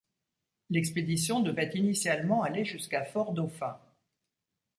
L'expédition devait initialement aller jusqu'à Fort Dauphin.